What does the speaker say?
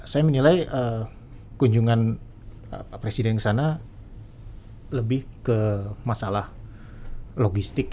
saya menilai kunjungan presiden ke sana lebih ke masalah logistik